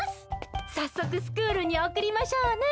さっそくスクールにおくりましょうね。